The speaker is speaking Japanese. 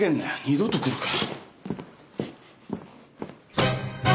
二度と来るか。